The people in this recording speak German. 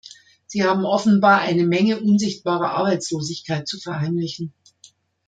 Sie haben offenbar eine Menge unsichtbarer Arbeitslosigkeit zu verheimlichen.